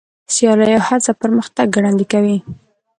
سیالي او هڅه پرمختګ ګړندی کوي.